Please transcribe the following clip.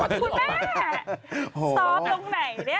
คุณแม่ซ้อมตรงไหนเนี่ย